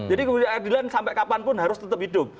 jadi keadilan sampai kapanpun harus tetap hidup